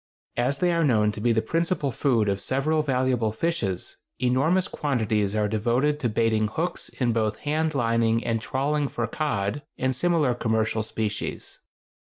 As they are known to be the principal food of several valuable fishes, enormous quantities are devoted to baiting hooks in both hand lining and trawling for cod and similar commercial species.